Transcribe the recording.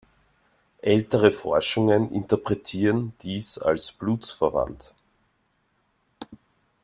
Ältere Forschungen interpretierten dies als blutsverwandt.